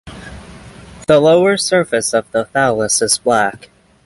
The lower surface of the thallus is black.